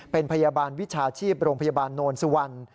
เป็นพยาบาลวิชาชีพโรงพยาบาลโนนสุวรรณ